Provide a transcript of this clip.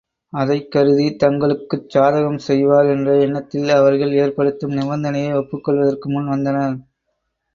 அதைக் கருதி, தங்களுக்குச் சாதகம் செய்வார் என்ற எண்ணத்தில், அவர்கள் ஏற்படுத்தும் நிபந்தனையை ஒப்புக் கொள்வதற்கு முன் வந்தனர்.